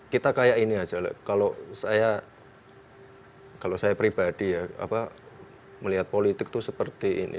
kita seperti ini saja kalau saya pribadi melihat politik itu seperti ini